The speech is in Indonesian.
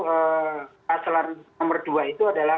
pasal nomor dua itu adalah